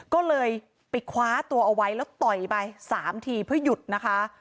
ก็เลยไปคว้าตัวเอาไว้แล้วต่อยไป๓ทีเพื่อหยุดนะคะ